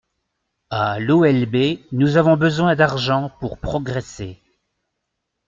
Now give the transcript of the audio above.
À l’OLB, nous avons besoin d’argent pour progresser.